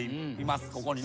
ここにね。